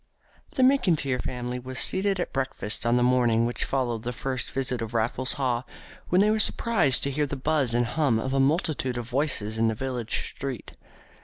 The McIntyre family was seated at breakfast on the morning which followed the first visit of Raffles Haw, when they were surprised to hear the buzz and hum of a multitude of voices in the village street.